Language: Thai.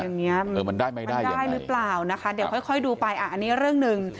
มันได้มั้ยได้อย่างไรมันได้หรือเปล่านะคะเดี๋ยวค่อยดูไปอ่ะอันนี้เรื่องหนึ่ง